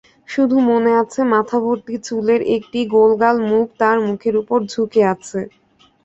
শুধু মনে আছে মাথাভর্তি চুলের একটি গোলগোল মুখ তার মুখের উপর ঝুকে আছে।